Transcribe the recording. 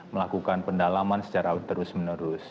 melakukan pendalaman secara terus menerus